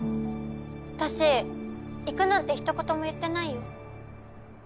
私行くなんてひと言も言ってないよ。